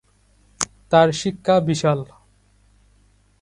তার শিক্ষা বিশাল।